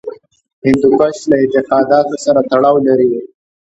هندوکش له اعتقاداتو سره تړاو لري.